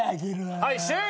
はい終了。